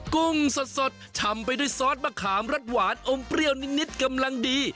กุ้งสดชำไปด้วยซอสมะขามรสหวานอมเปรี้ยวนิดกำลังดี